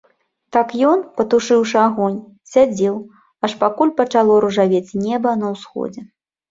Так ён, патушыўшы агонь, сядзеў, аж пакуль пачало ружавець неба на ўсходзе.